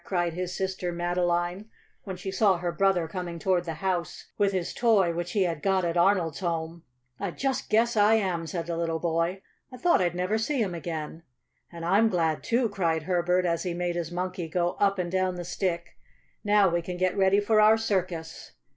cried his sister Madeline when she saw her brother coming toward the house with his toy which he had got at Arnold's home. "I just guess I am!" said the little boy. "I thought I'd never see him again." "And I'm glad, too," cried Herbert, as he made his Monkey go up and down the Stick. "Now we can get ready for our circus."